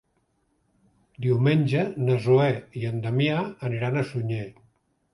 Diumenge na Zoè i en Damià aniran a Sunyer.